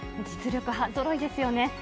実力派ぞろいですよね。